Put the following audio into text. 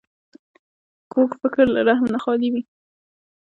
کوږ فکر له رحم نه خالي وي